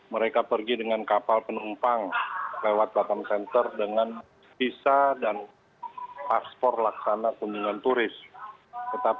mereka pergi dengan kapal penumpang lewat batam center dengan visa dan paspor laksana kunjungan turis